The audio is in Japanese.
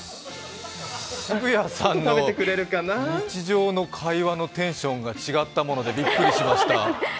澁谷さんの日常の会話のテンション、違ったものでびっくりしました。